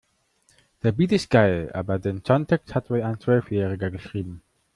Der Beat ist geil, aber den Songtext hat wohl ein Zwölfjähriger geschrieben.